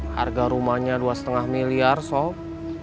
harga rumahnya dua lima miliar sok